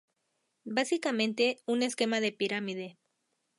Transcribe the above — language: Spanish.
Básicamente, un esquema de pirámide.